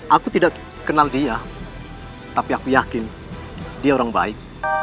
aku tidak kenal dia tapi aku yakin dia orang baik